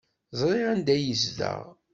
Ẓriɣ anda ay yezdeɣ.